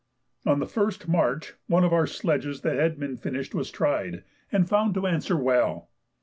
On the 1st March one of our sledges that had been finished was tried, and found to answer well.